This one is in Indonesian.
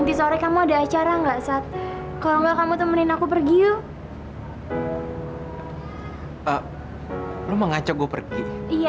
ingatkan engkau kepada